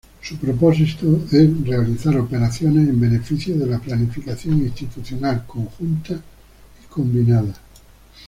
Su propósito es "realizar operaciones en beneficio de la planificación institucional conjunta y combinada".